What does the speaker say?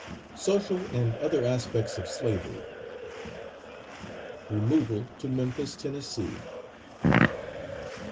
SOCIAL AND OTHER ASPECTS OF SLAVERY. REMOVAL TO MEMPHIS, TENNESSEE.